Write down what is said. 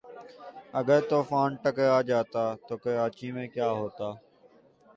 اگر طوفان ٹکرا جاتا تو کراچی میں کیا ہوتا